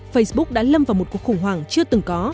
facebook đã lâm vào một cuộc khủng hoảng chưa từng có